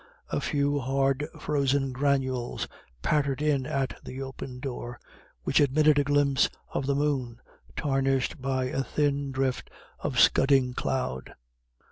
A few hard frozen granules pattered in at the opened door, which admitted a glimpse of the moon, tarnished by a thin drift of scudding cloud.